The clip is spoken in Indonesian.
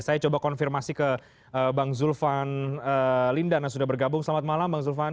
saya coba konfirmasi ke bang zulfan lindan yang sudah bergabung selamat malam bang zulfan